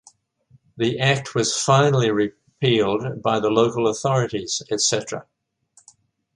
The act was finally repealed by The Local Authorities etc.